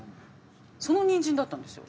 そのニンジンだったんですよ。